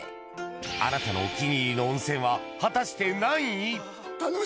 あなたのお気に入りの温泉は果たして何位？